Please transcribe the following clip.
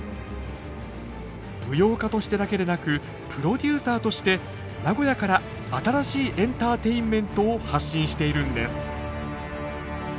舞踊家としてだけでなくプロデューサーとして名古屋から新しいエンターテインメントを発信しているんです。